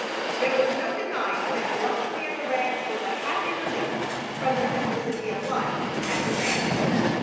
There was no denying that the luxury of the ranch was a happy relief from the simplicity of life at the Tanners'.